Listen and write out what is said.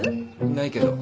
ないけど。